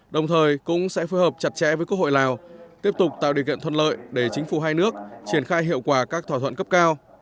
đồng thời cũng sẽ phù hợp chặt chẽ với quốc hội lào tiếp tục tạo điều kiện thuận lợi để chính phủ hai nước triển khai hiệu quả các thỏa thuận cấp cao